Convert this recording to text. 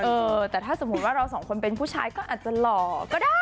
เออแต่ถ้าสมมุติว่าเราสองคนเป็นผู้ชายก็อาจจะหล่อก็ได้